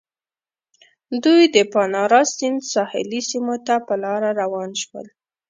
دوی د پانارا سیند ساحلي سیمو ته په لاره روان شول.